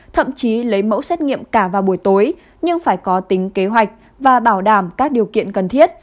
thậm chí lấy mẫu xét nghiệm cả vào buổi tối nhưng phải có tính kế hoạch và bảo đảm các điều kiện cần thiết